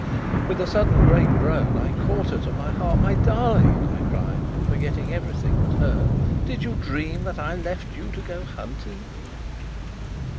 With a sudden great groan, I caught her to my heart. "My darling!" I cried, forgetting everything but her, "did you dream that I left you to go hunting?"